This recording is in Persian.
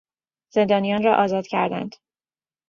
زندانیان را آزاد کردند.